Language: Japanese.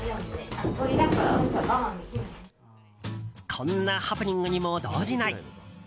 こんなハプニングにも動じない。